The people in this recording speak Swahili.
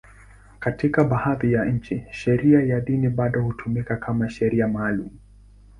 Katika baadhi ya nchi, sheria ya dini bado hutumika kama sheria maalum.